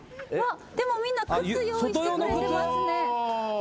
でもみんな靴用意してくれてますね。